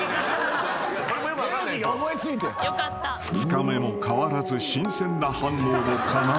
［２日目も変わらず新鮮な反応のかなで］